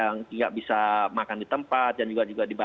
yang gak bisa makan di tempat dan juga di bawah luar indsonya ya